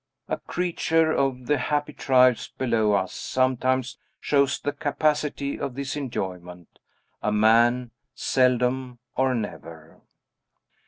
A creature of the happy tribes below us sometimes shows the capacity of this enjoyment; a man, seldom or never.